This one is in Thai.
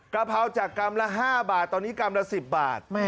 กะเพราจากกรัมละ๕บาทตอนนี้กรัมละ๑๐บาท